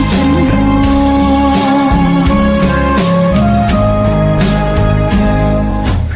ทั้งวันที่เหลือจนซึ่งล้มหายใจ